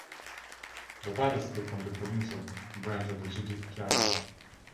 The party split from the provincial branch of the Justicialist Party.